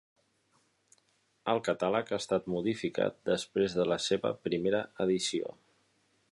El catàleg ha estat modificat després de la seva primera edició.